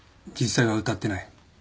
実際は歌ってない。